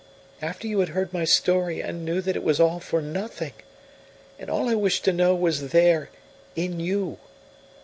After you had heard my story, and knew that it was all for nothing! And all I wished to know was there in you.